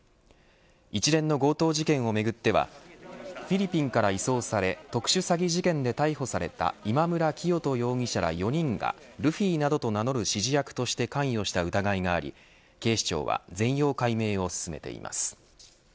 一連の強盗事件をめぐってはフィリピンから移送され特殊詐欺事件で逮捕された今村磨人容疑者ら４人がルフィなどと名乗る指示役として関与した疑いがあり警視庁は全容解明を進めています。